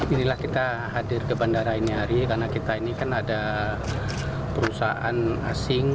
inilah kita hadir ke bandara ini hari karena kita ini kan ada perusahaan asing